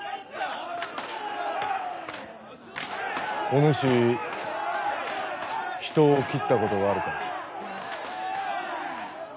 お主人を斬ったことがあるか？